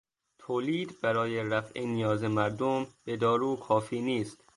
تولید برای رفع نیاز مردم به دارو کافی نیست.